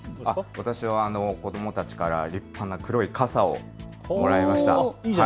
私は子どもたちから黒い傘をもらいました。